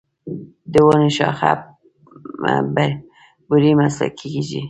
د ونو شاخه بري مسلکي کیږي.